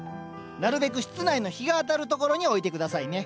なるべく室内の日が当たるところに置いて下さいね。